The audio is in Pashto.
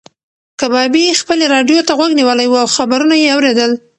کبابي خپلې راډیو ته غوږ نیولی و او خبرونه یې اورېدل.